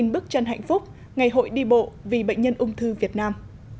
năm bước chân hạnh phúc ngày hội đi bộ vì bệnh nhân ung thư việt nam